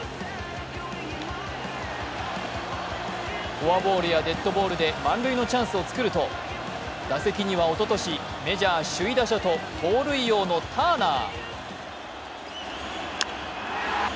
フォアボールやデッドボールで満塁のチャンスを作ると打席にはおととし、メジャー首位打者と盗塁王のターナー。